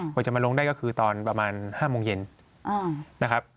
กว่าจะมาลงได้ก็คือตอนประมาณ๕โมงเย็นนะครับ